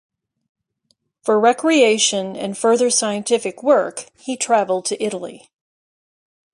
For recreation and further scientific work he travelled to Italy.